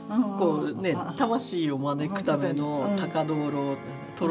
魂を招くための高灯籠灯籠